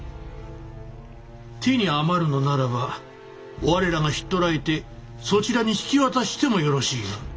手に余るのならば我らがひっ捕らえてそちらに引き渡してもよろしいが。